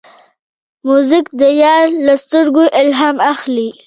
موزیک د یار له سترګو الهام اخلي.